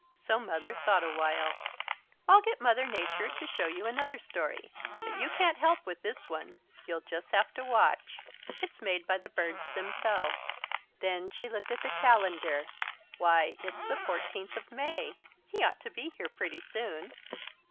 So Mother thought awhile. "I'll get Mother Nature to show you another story. But you can't help with this one. You'll just have to watch. It's made by the birds themselves." Then she looked at the calendar. "Why, it's the fourteenth of May. He ought to be here pretty soon."